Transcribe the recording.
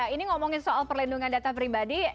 ini ngomongin soal perlindungan data pribadi